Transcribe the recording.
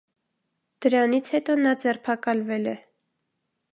Դրանից հետո նա ձերբակալվել է։